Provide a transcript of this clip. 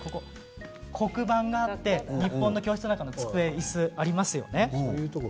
黒板があって日本の教室の机、いすがありますね。